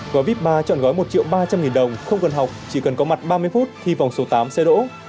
gói vip ba chọn gói một triệu ba trăm linh đồng không cần học chỉ cần có mặt ba mươi phút thì vòng số tám sẽ đỗ